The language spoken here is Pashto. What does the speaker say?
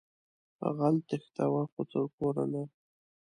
غل تېښتوه خو تر کوره نه